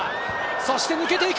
そして抜けていく。